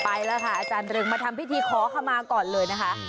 ไปแล้วค่ะอาจารย์เริงมาทำพิธีขอขมาก่อนเลยนะคะ